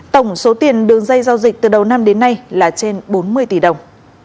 tổng số tiền đường dây giao dịch từ đầu năm đến nay là trên bốn mươi tỷ đồng